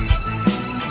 kenapa tidak bisa